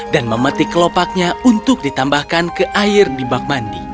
memetik kelopaknya untuk ditambahkan ke air di bak mandi